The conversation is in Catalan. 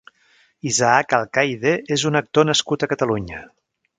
Isaac Alcayde és un actor nascut a Catalunya.